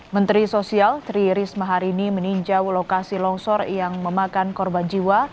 menteri sosial tri risma hari ini meninjau lokasi longsor yang memakan korban jiwa